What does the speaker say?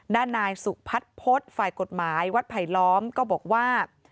ด้านนายสุพัฒน์พฤษฝ่ายกฎหมายวัดไผลล้อมก็บอกว่า